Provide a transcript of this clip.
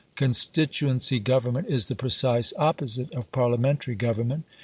Constituency government is the precise opposite of Parliamentary government.